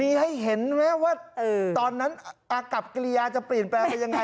มีให้เห็นไหมว่าตอนนั้นอากับกิริยาจะเปลี่ยนแปลงไปยังไง